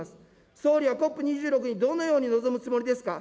総理はＣＯＰ２６にどのように臨むつもりですか。